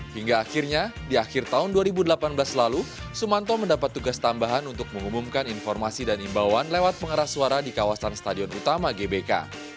hingga akhirnya di akhir tahun dua ribu delapan belas lalu sumanto mendapat tugas tambahan untuk mengumumkan informasi dan imbauan lewat pengeras suara di kawasan stadion utama gbk